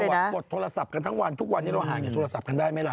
กดโทรศัพท์กันทั้งวันทุกวันนี้เราห่างจากโทรศัพท์กันได้ไหมล่ะ